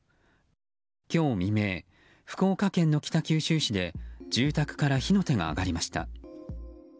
今日未明、福岡県の北九州市で住宅から火の手が上がりました。